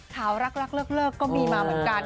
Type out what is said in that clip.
ข่าวรักก็มีมาเหมือนกัน